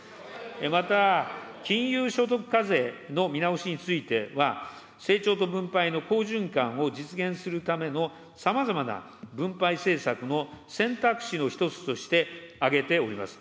また、金融所得課税の見直しについては、成長と分配の好循環を実現するための、さまざまな分配政策の選択肢の一つとして挙げております。